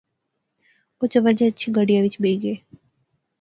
او چول جئے اچھی گڈیا وچ بہجی گئے